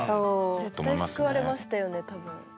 絶対救われましたよね多分。